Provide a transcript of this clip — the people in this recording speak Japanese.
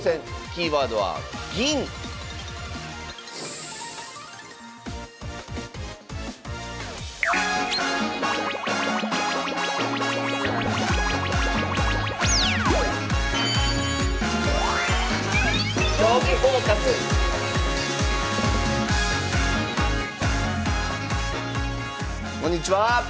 キーワードは銀こんにちは。